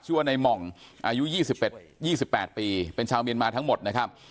ว่าในหม่องอายุ๒๘ปีเป็นชาวเมียนมาทั้งหมดนะครับ